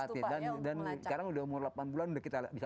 terlatih khusus itu pak ya untuk melacak